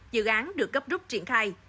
dự án được cấp rút triển khai